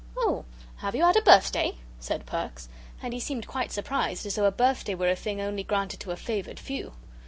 "Oh, have you had a birthday?" said Perks; and he seemed quite surprised, as though a birthday were a thing only granted to a favoured few.